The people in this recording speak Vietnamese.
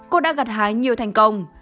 cô đã gặt hái nhiều thành công